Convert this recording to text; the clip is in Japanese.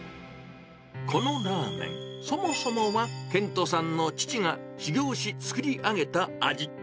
このラーメン、そもそもは、研人さんの父が修業し作り上げた味。